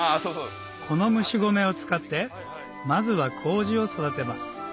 この蒸し米を使ってまずは麹を育てます